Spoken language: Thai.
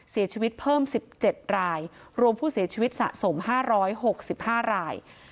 เสียชีวิตเพิ่ม๑๗รายรวมผู้เสียชีวิตสะสม๕๖๕ราย